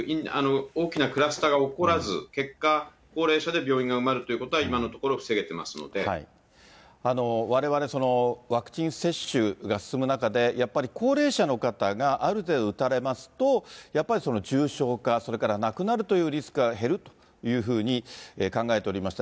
大きなクラスターが起こらず、結果、高齢者で病院が埋まるということは、今のところ防げてますのわれわれ、ワクチン接種が進む中で、やっぱり高齢者の方がある程度打たれますと、やっぱり重症化、それから亡くなるというリスクは減るというふうに考えておりました。